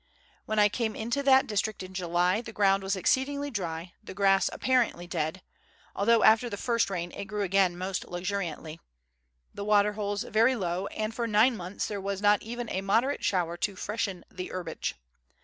When I came into that district in July the ground was exceedingly dry, the grass apparently dead (although after the first rain it grew again most luxuriantly), the water holes very low, and for nine months there was not even a moderate shower to freshen the herbage.